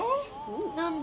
何で？